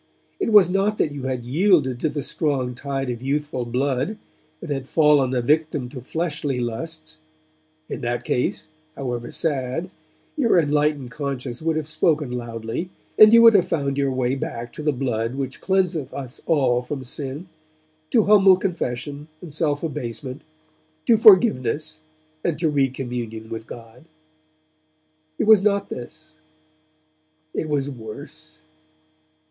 It was not that you had yielded to the strong tide of youthful blood, and had fallen a victim to fleshly lusts; in that case, however sad, your enlightened conscience would have spoken loudly, and you would have found your way back to the blood which cleanseth us from all sin, to humble confession and self abasement, to forgiveness and to recommunion with God. It was not this; it was worse.